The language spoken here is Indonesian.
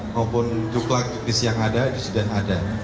maupun juklah juklis yang ada di sudan ada